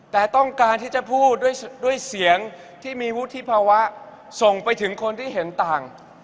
แต่ต้องการที่จะพูดด้วยเสียงที่มีวุฒิภาวะส่งไปถึงคนที่เห็นต่าง